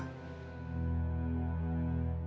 apa yang betul pak